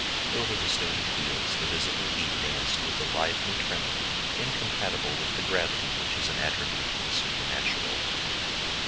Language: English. Over the stony fields the visible heat danced with a lively tremor incompatible with the gravity which is an attribute of the supernatural.